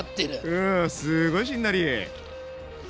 うんすごいしんなり！